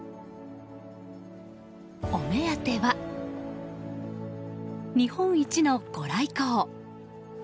お目当ては、日本一のご来光。